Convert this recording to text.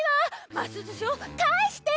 ますずしをかえして！